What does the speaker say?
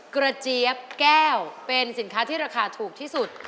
เจี๊ยบแก้วเป็นสินค้าที่ราคาถูกที่สุด